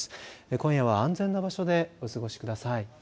今夜は安全な場所でお過ごしください。